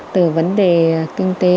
từ vấn đề kinh tế